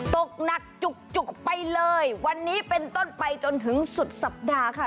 ตกหนักจุกไปเลยวันนี้เป็นต้นไปจนถึงสุดสัปดาห์ค่ะ